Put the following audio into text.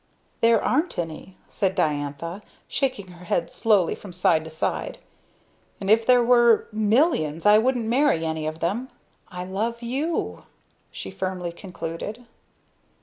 "There aren't any!" said Diantha, shaking her head slowly from side to side. "And if there were millions I wouldn't marry any of 'em. I love you," she firmly concluded.